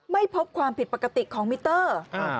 ไม่พบความผิดปกติของมิเตอร์